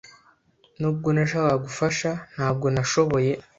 Nubwo nashakaga gufasha , ntabwo nashoboye.